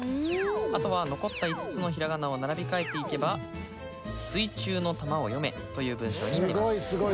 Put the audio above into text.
あとは残った５つのひらがなを並び替えて行けば「すいちゅうのたまをよめ」という文章になります。